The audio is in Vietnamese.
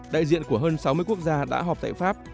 đại diện của hơn sáu mươi quốc gia đã họp tại pháp